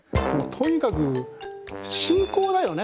とにかく信仰だよね